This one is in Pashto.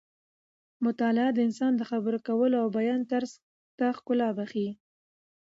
مطالعه د انسان د خبرو کولو او بیان طرز ته ښکلا بښي.